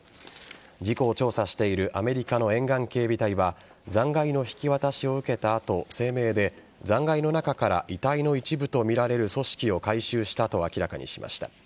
事故を調査しているアメリカの沿岸警備隊は残骸の引き渡しを受けた後声明で残骸の中から遺体の一部とみられる組織を回収したと明らかにしました。